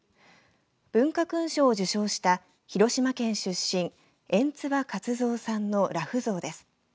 文化勲章を受章した広島県出身圓鍔勝三さんの裸婦像です。